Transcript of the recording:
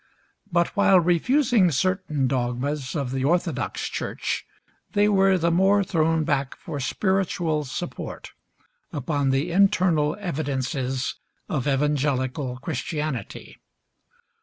But while refusing certain dogmas of the orthodox church, they were the more thrown back for spiritual support upon the internal evidences of evangelical Christianity.